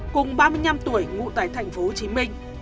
cùng ba mươi năm tuổi ngụ tại tp hcm